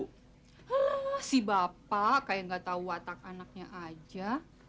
hrm si bapak kayak nggak tahu watak anaknya aja